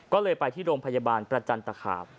ก็เลยไปที่โรงพยาบาลประจันตคาม